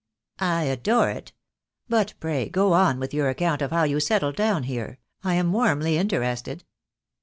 "I adore it. But pray go on with your account of how you settled down here. I am warmly interested."